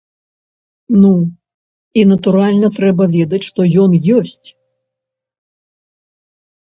Ну і, натуральна, трэба ведаць, што ён ёсць.